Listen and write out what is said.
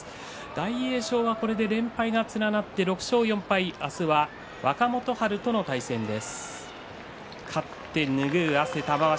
大栄翔はこれで連敗が連なって６勝４敗明日は若元春との対戦です。